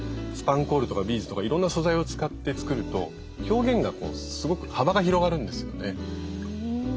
スパンコールとかビーズとかいろんな素材を使って作ると表現がすごく幅が広がるんですよね。